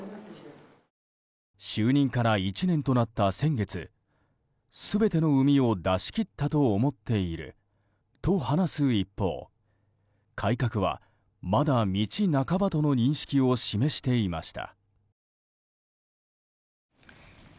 就任から１年となった先月全ての膿を出し切ったと思っていると話す一方改革はまだ道半ばとの認識を示していました。